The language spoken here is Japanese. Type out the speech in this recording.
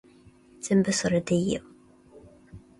全部それでいいよ